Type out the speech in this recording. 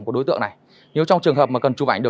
của đối tượng này nếu trong trường hợp mà cần chụp ảnh được